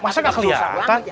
masa gak kelihatan